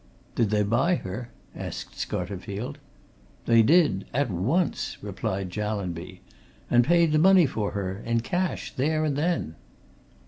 "Did they buy her?" asked Scarterfield. "They did at once," replied Jallanby. "And paid the money for her in cash, there and then."